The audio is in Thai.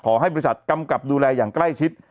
ขอให้บริษัทกำกับดูแลอย่างใกล้ชิด